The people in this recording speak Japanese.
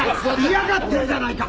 嫌がってるじゃないか。